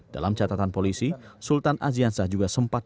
dalam catatan polisi sultan aziansah juga sempat